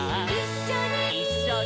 「いっしょに」